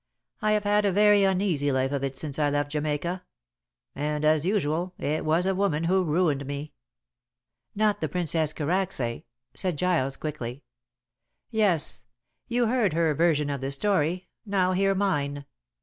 I have had a very uneasy life of it since I left Jamaica. And, as usual, it was a woman who ruined me." "Not the Princess Karacsay," said Giles quickly. "Yes. You heard her version of the story, now hear mine.